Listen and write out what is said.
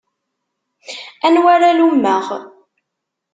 Anwa ara lummeɣ?